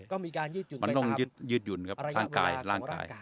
ก็มีการยืดหยุ่นมันต้องยืดหยุ่นครับร่างกายร่างกาย